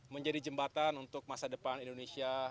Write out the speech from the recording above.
menjadi jembatan untuk masa depan indonesia